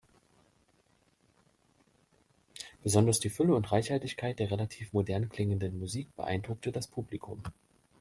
Besonders die Fülle und Reichhaltigkeit der relativ modern klingenden Musik beeindruckte das Publikum.